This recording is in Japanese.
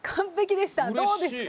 どうですか？